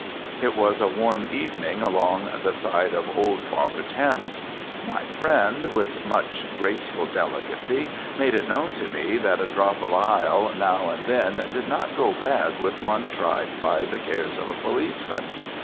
It was a warm evening along the side of old Father Thames. My friend, with much graceful delicacy, made it known to me that a drop of "ile" now and then did not go bad with one tried by the cares of a policeman.